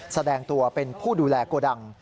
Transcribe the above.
แสดงตัวเป็นผู้ดูแลโกดัง